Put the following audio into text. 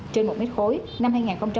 trên một mét khối năm hai nghìn một mươi bảy